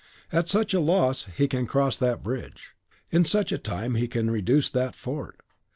At such a loss he can cross that bridge; in such a time he can reduce that fort.